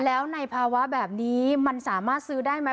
แล้วในภาวะแบบนี้มันสามารถซื้อได้ไหม